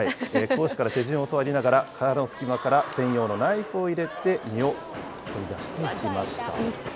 講師から手順を教わりながら、殻の隙間から専用のナイフを入れて身を取り出していきました。